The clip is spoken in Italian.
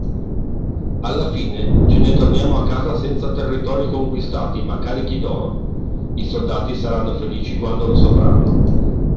Alla fine, ce ne torniamo a casa senza territori conquistati ma carichi d'oro, i soldati saranno felici quando lo sapranno.